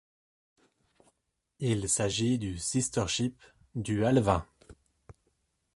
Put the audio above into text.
Il s'agit du sister-ship du Alvin.